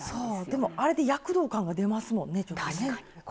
でもあれで躍動感が出ますもんねちょっとね。